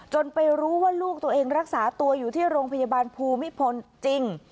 ไปรู้ว่าลูกตัวเองรักษาตัวอยู่ที่โรงพยาบาลภูมิพลจริง